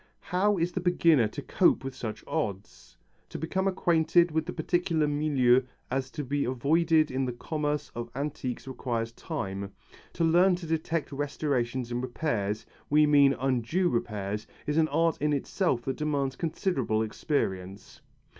How is the beginner to cope with such odds? To become acquainted with the peculiar milieu to be avoided in the commerce of antiques requires time, to learn to detect restorations and repairs, we mean undue repairs, is an art in itself that demands considerable experience.